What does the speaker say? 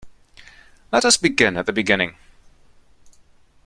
Let us begin at the beginning